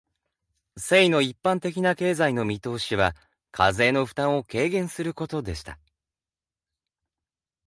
セイの一般的な経済の見通しは、課税の負担を軽減することでした。